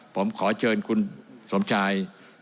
ผมขอเชิญคุณสมชาย